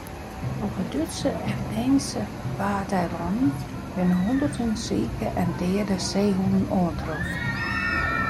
Op de Dútske en Deenske Waadeilannen binne hûnderten sike en deade seehûnen oantroffen.